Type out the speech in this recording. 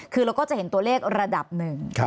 คือเราก็จะเห็นตัวเลขระดับหนึ่ง